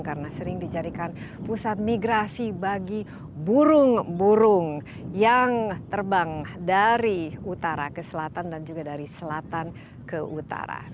karena sering dijadikan pusat migrasi bagi burung burung yang terbang dari utara ke selatan dan juga dari selatan ke utara